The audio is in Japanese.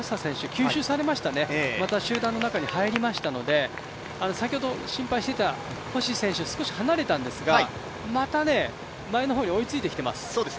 吸収されましたねまた集団の中に入りましたので先ほど心配していた星選手少し離れたんですがまた、前の方に追いついてきています。